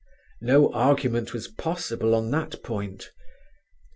No argument was possible on that point.